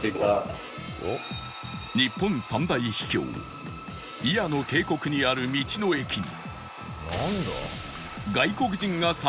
日本三大秘境祖谷の渓谷にある道の駅に